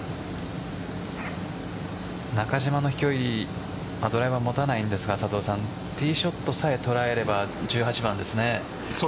中島の飛距離ドライバーを持たないんですがティーショットさえ捉えれば１８番ですね。